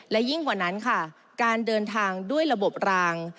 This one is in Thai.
และยิ่งกว่านั้นค่ะการเดินทางด้วยระบบราง